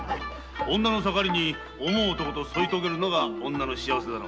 女の盛りに想う男と添いとげるのが女の幸せだろう。